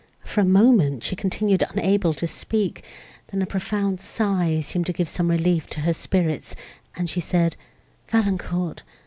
For a moment, she continued unable to speak; then a profound sigh seemed to give some relief to her spirits, and she said, "Valancourt!